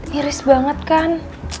miris banget kan